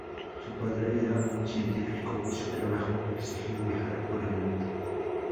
Su padre era un científico y su trabajo le exigió viajar por el mundo.